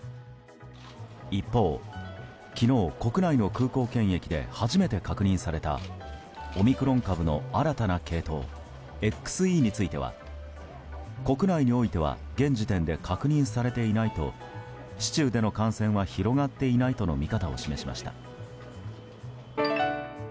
一方、昨日国内の空港検疫で初めて確認されたオミクロン株の新たな系統ＸＥについては国内においては現時点で確認されていないと市中での感染は広がっていないとの見方を示しました。